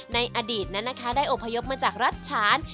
ในอดีตได้อพยพมาจากรัฐฉาน